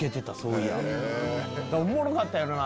おもろかったやろな